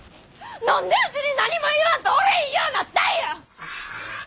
何でうちに何も言わんとおれぃんようなったんや！